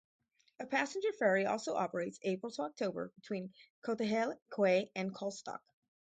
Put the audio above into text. A passenger ferry also operates April to October between Cotehele Quay and Calstock.